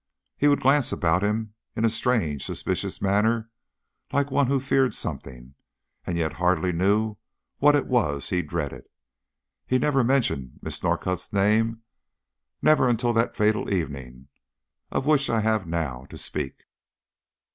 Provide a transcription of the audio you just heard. He would glance about him in a strange, suspicious manner, like one who feared something, and yet hardly knew what it was he dreaded. He never mentioned Miss Northcott's name never until that fatal evening of which I have now to speak.